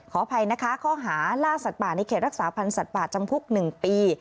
ขออภัยนะคะข้อหาล่าสัตว์ป่าในเขตรักษาพันธ์สัตว์ป่าจำคุก๑ปี